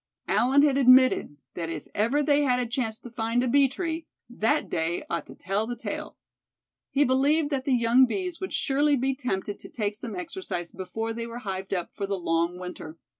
Allan had admitted that if ever they had a chance to find a bee tree that day ought to tell the tale. He believed that the young bees would surely be tempted to take some exercise before they were hived up for the long winter.